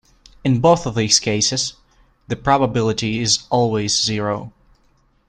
In both of these cases the probability is always zero.